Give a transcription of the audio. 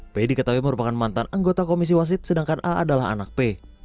p diketahui merupakan mantan anggota komisi wasit sedangkan a adalah anak p